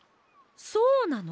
そうなの？